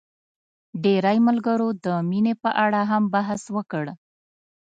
ډېری ملګرو د مينې په اړه هم بحث وکړ.